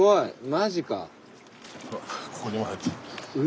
マジか！